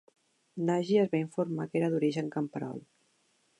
Nagy es va informar que era d'origen camperol.